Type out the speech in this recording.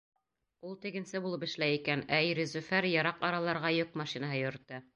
Ул тегенсе булып эшләй икән, ә ире Зөфәр йыраҡ араларға йөк машинаһы йөрөтә.